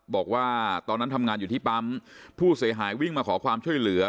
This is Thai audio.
บอกว่าตอนนั้นทำงานอยู่ที่ปั๊มผู้เสียหายวิ่งมาขอความช่วยเหลือ